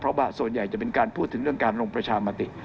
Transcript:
เพราะว่าส่วนใหญ่จะเป็นการพูดถึงเรื่องการลงประชามติ